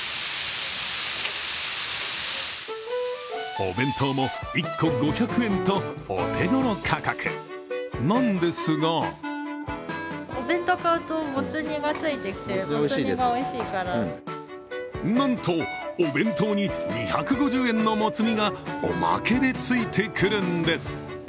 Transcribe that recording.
お弁当も１個５００円とお手頃価格なんですがなんと、お弁当に２５０円のもつ煮がおまけでついてくるんです。